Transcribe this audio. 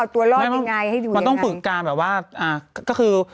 ดับร่างเท้ายังถอดไม่ได้เลย